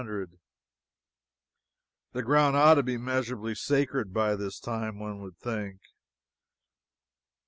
The ground ought to be measurably sacred by this time, one would think.